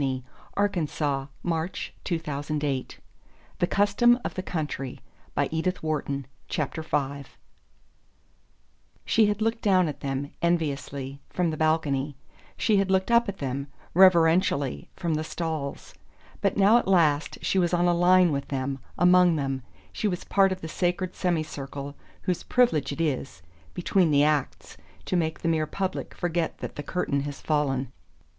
"Come along down to dinner, mother I guess Undine won't mind if I don't rig up to night." V She had looked down at them, enviously, from the balcony she had looked up at them, reverentially, from the stalls; but now at last she was on a line with them, among them, she was part of the sacred semicircle whose privilege it is, between the acts, to make the mere public forget that the curtain has fallen.